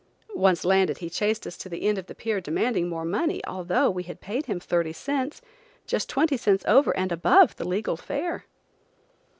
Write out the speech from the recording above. Once landed he chased us to the end of the pier demanding more money, although we had paid him thirty cents, just twenty cents over and above the legal fare.